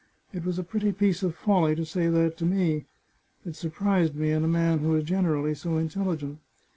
It was a pretty piece of folly to say that to me. It surprised me in a man who is generally so intelligent.